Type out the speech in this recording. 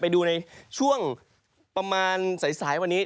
ไปดูในช่วงประมาณสายวันนี้